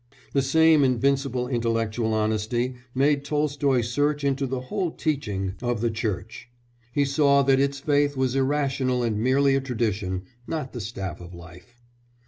The same invincible intellectual honesty made Tolstoy search into the whole teaching of the Church; he saw that its faith was irrational and merely a tradition, not the staff of life.